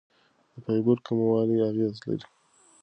د فایبر کموالی اغېز لري.